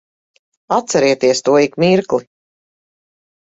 Atcerieties to ik mirkli.